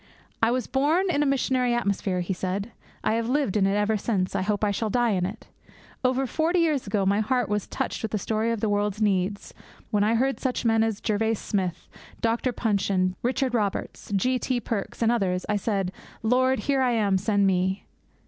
'I was born in a missionary atmosphere,' he said. 'I have lived in it ever since; I hope I shall die in it. Over forty years ago my heart was touched with the story of the world's needs; when I heard such men as Gervase Smith, Dr. Punshon, Richard Roberts, G. T. Perks, and others, I said, "Lord, here am I, send me."